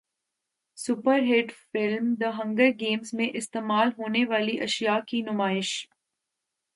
super hit film the Hunger Games میں استعمال ہونیوالی اشیاء کی نمائش